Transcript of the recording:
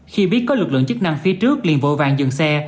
khi biết có lực lượng chức năng phía trước liền vội vàng dừng xe